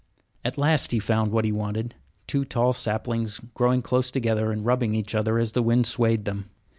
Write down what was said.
At last he found what he wanted, two tall saplings growing close together and rubbing each other as the wind swayed them.